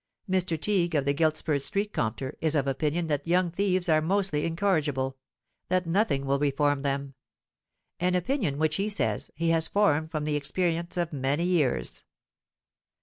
Mr. Teague, of the Giltspur street Compter, is of opinion that young thieves are mostly incorrigible—that nothing will reform them; an opinion which, he says, he has formed from the experience of many years.